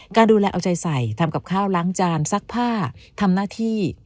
การดูแลเอาใจใส่ทำกับข้าวล้างจานซักผ้าทำหน้าที่